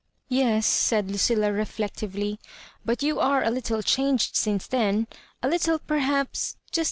" Yes," said Lucilla, reflectively, " but you are a little changed since then ;& little perhaps — just.